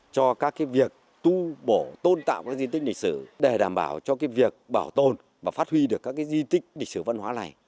cho các việc tu bổ tôn tạo các di tích lịch sử để đảm bảo cho việc bảo tồn và phát huy được các di tích lịch sử văn hóa này